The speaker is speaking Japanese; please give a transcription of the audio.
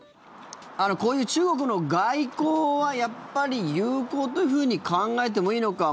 こういう中国の外交は有効というふうに考えてもいいのか。